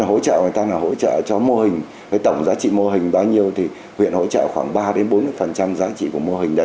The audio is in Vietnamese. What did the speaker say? hỗ trợ người ta là hỗ trợ cho mô hình với tổng giá trị mô hình bao nhiêu thì huyện hỗ trợ khoảng ba bốn mươi giá trị của mô hình đấy